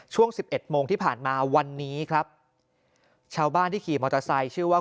ช่วงสิบเอ็ดโมงที่ผ่านมาวันนี้ครับชาวบ้านที่ขี่มอเตอร์ไซค์ชื่อว่า